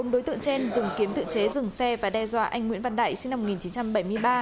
bốn đối tượng trên dùng kiếm tự chế dừng xe và đe dọa anh nguyễn văn đại sinh năm một nghìn chín trăm bảy mươi ba